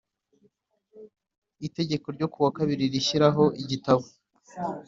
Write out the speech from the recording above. Itegeko ryo ku wa kabiri rishyiraho Igitabo